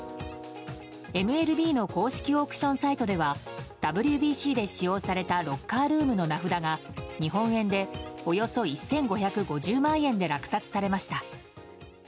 ＭＬＢの公式オークションサイトではＷＢＣで使用されたロッカールームの名札が日本円で、およそ１５５０万円で落札されました。